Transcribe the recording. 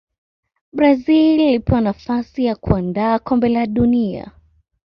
brazil ilipewa nafasi ya kuandaa kombe la duni